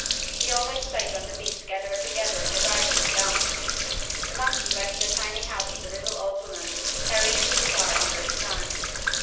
He always played when the beasts gathered together in the garden to dance. The monkey went to the tiny house of the little old woman, carrying his guitar under his arm.